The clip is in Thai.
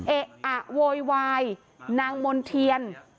เอ๊ะอะโวยวายนางมณ์เทียน